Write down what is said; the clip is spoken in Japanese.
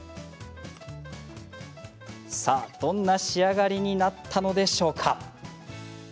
さあ、どんな仕上がりになったのでしょうか。